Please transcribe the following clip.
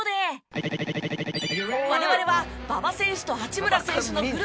我々は馬場選手と八村選手のふるさと